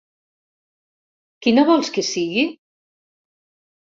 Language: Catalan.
¿Quina vols que sigui?